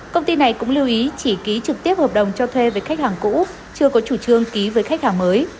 công ty này cũng lưu ý chỉ ký trực tiếp hợp đồng cho thuê với khách hàng cũ chưa có chủ trương ký với khách hàng mới